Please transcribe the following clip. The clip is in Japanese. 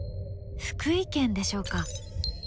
福井県でしょうか？